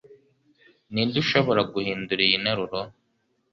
Ninde ushobora guhindura iyi nteruro?